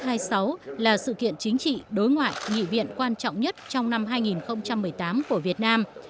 năm hai nghìn sáu là sự kiện chính trị đối ngoại nghị viện quan trọng nhất trong năm hai nghìn một mươi tám của việt nam